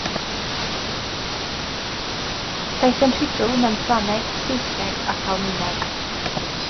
Daeth yn rhugl mewn Ffrangeg, Saesneg ac Almaeneg.